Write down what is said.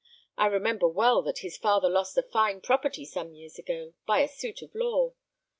I remember well that his father lost a fine property some years ago, by a suit at law.